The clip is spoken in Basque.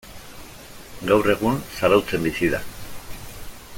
Gaur egun, Zarautzen bizi da.